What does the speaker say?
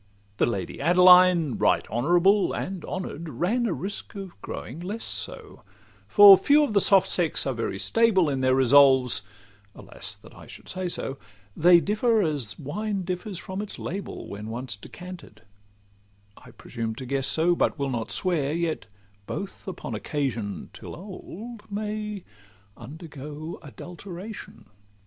The Lady Adeline, right honourable; And honour'd, ran a risk of growing less so; For few of the soft sex are very stable In their resolves—alas! that I should say so! They differ as wine differs from its label, When once decanted;—I presume to guess so, But will not swear: yet both upon occasion, Till old, may undergo adulteration.